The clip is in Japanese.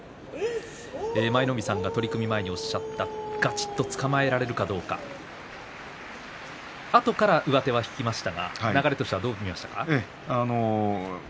舞の海さんが取組前におっしゃったがちっとつかまえられるかどうかあとから上手を引きましたが流れとしてはどうでしたか？